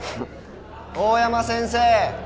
大山先生